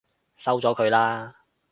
收咗佢啦！